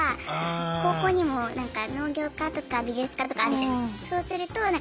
高校にも農業科とか美術科とかあるじゃないですか。